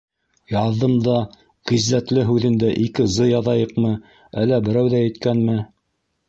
- Яҙҙым да, «ғиззәтле» һүҙендә ике «з» яҙайыҡмы әллә берәү ҙә еткәнме?